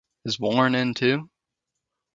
Is Warren in too?